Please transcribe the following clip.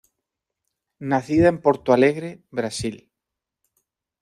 Nacida en Porto Alegre, Brasil.